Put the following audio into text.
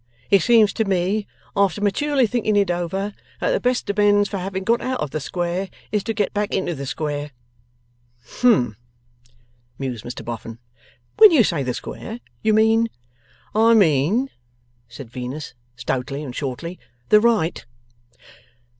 It seems to me, after maturely thinking it over, that the best amends for having got out of the square is to get back into the square.' 'Humph!' mused Mr Boffin. 'When you say the square, you mean ' 'I mean,' said Venus, stoutly and shortly, 'the right.